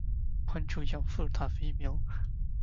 关注永雏塔菲喵